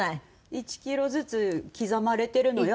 １キロずつ刻まれてるのよ